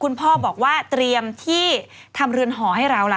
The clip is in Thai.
คุณพ่อบอกว่าเตรียมที่ทำเรือนหอให้เราล่ะ